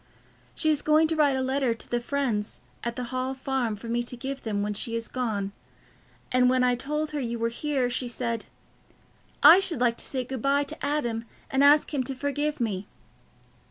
She is going to write a letter to the friends at the Hall Farm for me to give them when she is gone, and when I told her you were here, she said, 'I should like to say good bye to Adam and ask him to forgive me.